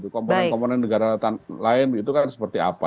komponen komponen negara lain itu kan seperti apa